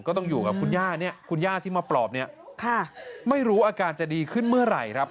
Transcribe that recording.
ก็ต้องอยู่กับคุณย่าเนี่ยคุณย่าที่มาปลอบเนี่ยไม่รู้อาการจะดีขึ้นเมื่อไหร่ครับ